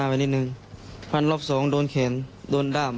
ผอ่ามานิดหนึ่งฟันรอบสองโดนแขนโดนด่าม